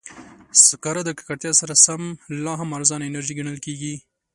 سکاره د ککړتیا سره سره، لا هم ارزانه انرژي ګڼل کېږي.